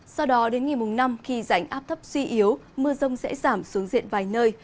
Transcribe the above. sau đó đến ngày mùng năm khi rảnh áp thấp suy yếu mưa rông sẽ giảm xuống diện vài nơi